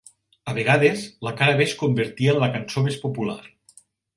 A vegades, la cara B es convertia en la cançó més popular.